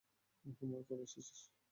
Homework করে এসেছিস?